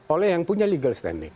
oleh yang punya legal standing